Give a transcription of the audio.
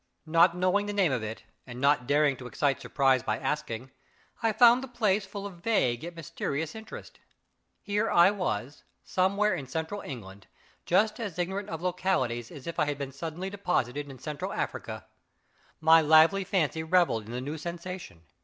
Not knowing the name of it, and not daring to excite surprise by asking, I found the place full of vague yet mysterious interest. Here I was, somewhere in central England, just as ignorant of localities as if I had been suddenly deposited in Central Africa. My lively fancy revelled in the new sensation.